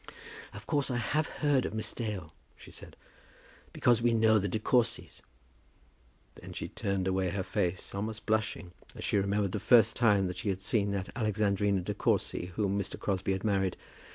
"Of course I have heard of Miss Dale," she said, "because we know the De Courcys." Then she turned away her face, almost blushing, as she remembered the first time that she had seen that Lady Alexandrina De Courcy whom Mr. Crosbie had married.